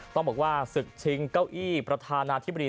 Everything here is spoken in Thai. ต้องบอกว่าศึกชิงเก้าอี้ประธานาธิบดี